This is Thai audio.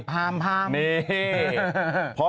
พามพร้อมพร้อม